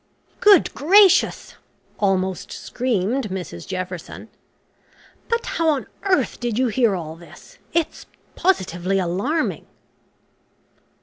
"Good gracious!" almost screamed Mrs Jefferson, "but how on earth did you hear all this? It's positively alarming."